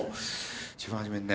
一番初めにね